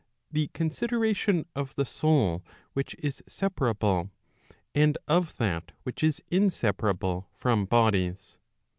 the consideration of the soul which is separable, and of that which is inseparable from bodies.